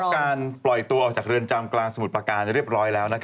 การปล่อยตัวออกจากเรือนจำกลางสมุทรประการเรียบร้อยแล้ว